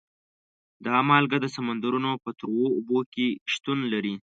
دا مالګه د سمندرونو په تروو اوبو کې شتون لري.